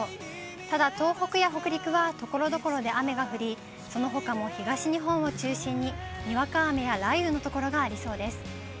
ただ、東北や北陸はところどころで雨が降り、そのほかも東日本を中心ににわか雨や雷雨の所がありそうです。